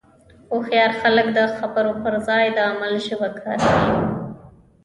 هوښیار خلک د خبرو پر ځای د عمل ژبه کاروي.